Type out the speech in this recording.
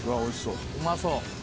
うまそう！